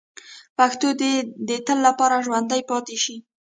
پښتو دې د تل لپاره ژوندۍ پاتې شي.